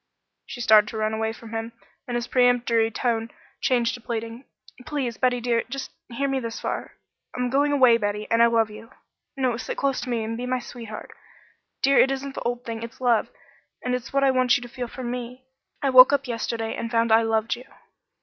She started to run away from him, and his peremptory tone changed to pleading. "Please, Betty, dear! just hear me this far. I'm going away, Betty, and I love you. No, sit close and be my sweetheart. Dear, it isn't the old thing. It's love, and it's what I want you to feel for me. I woke up yesterday, and found I loved you."